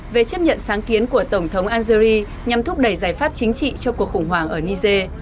về chấp nhận sáng kiến của tổng thống algeria nhằm thúc đẩy giải pháp chính trị cho cuộc khủng hoảng ở niger